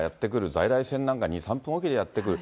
在来線なんか２、３分置きでやって来る。